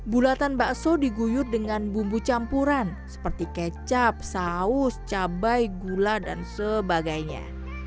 bulatan bakso diguyur dengan bumbu campuran seperti kecap saus cabai gula dan sebagainya